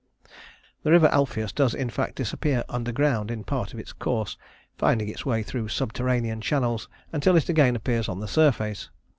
The river Alpheus does, in fact, disappear underground in part of its course, finding its way through subterranean channels until it again appears on the surface.